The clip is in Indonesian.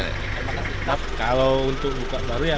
tetap kalau untuk buka baru ya